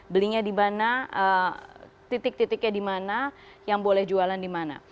belinya di mana titik titiknya di mana yang boleh jualan di mana